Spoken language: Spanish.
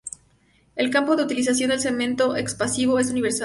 El campo de utilización del cemento expansivo es universal.